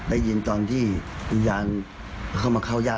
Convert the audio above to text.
ได้ยินตอนที่อุญาณเข้ามาเข้า